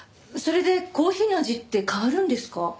それでコーヒーの味って変わるんですか？